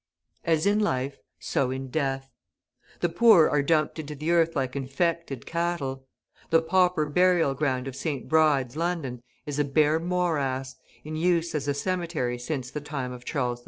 As in life, so in death. The poor are dumped into the earth like infected cattle. The pauper burial ground of St. Brides, London, is a bare morass, in use as a cemetery since the time of Charles II.